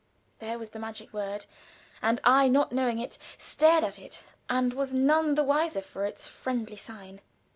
_ There was the magic word, and I, not knowing it, stared at it and was none the wiser for its friendly sign.